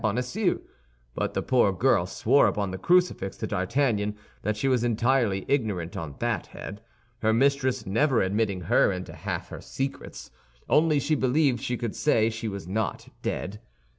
Bonacieux; but the poor girl swore upon the crucifix to D'Artagnan that she was entirely ignorant on that head, her mistress never admitting her into half her secrets—only she believed she could say she was not dead.